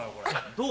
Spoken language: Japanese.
どう？